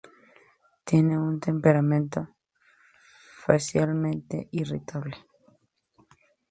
Tiene un temperamento fácilmente irritable.